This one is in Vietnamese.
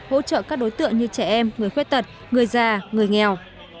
hỗ trợ các đối tượng như trẻ em người khuyết tật người già người nghèo